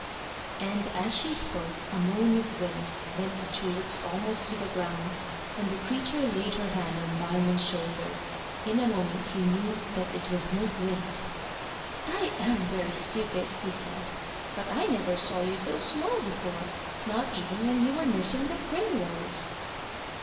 And, as she spoke, a moan of wind bent the tulips almost to the ground, and the creature laid her hand on Diamond's shoulder. In a moment he knew that it was North Wind. "I am very stupid," he said; "but I never saw you so small before, not even when you were nursing the primrose."